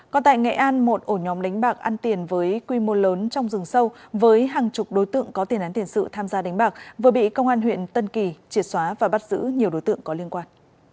còn tại nghệ an một ổ nhóm đánh bạc ăn tiền với quy mô lớn trong rừng sâu với hàng chục đối tượng có tiền án tiền sự tham gia đánh bạc vừa bị công an huyện tân kỳ triệt xóa và bắt giữ nhiều đối tượng có liên quan